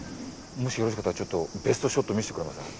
もしよろしかったらちょっとベストショット見せてくれません？